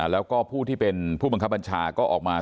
แล้วก็ผู้ที่เป็นผู้บังคับบัญชาก็ออกมา